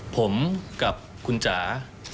ผมกับคุณจ๋า